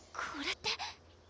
これって！